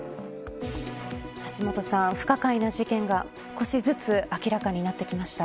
橋下さん不可解な事件が少しずつ明らかになってきました。